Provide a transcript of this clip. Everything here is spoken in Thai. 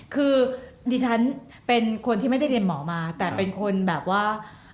คือดิฉันเป็นคนที่ไม่ได้เรียนหมอมาแต่เป็นคนแบบว่า